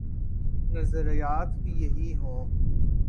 نظریات بھی یہی ہوں۔